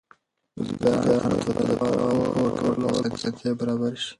بزګرانو ته باید د پور ورکولو اسانتیاوې برابرې شي.